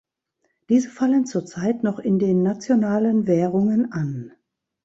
Diese fallen zur Zeit noch in den nationalen Währungen an.